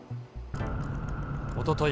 おととい